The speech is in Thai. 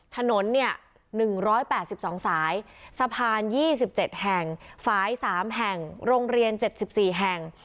ถนน๑๘๒สายสะพาน๒๗แห่งสาย๓แห่งโรงเรียน๗๔แห่ง